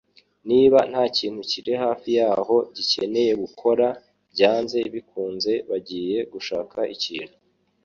Niba ntakintu kiri hafi yabo gikeneye gukora, byanze bikunze bagiye gushaka ikintu.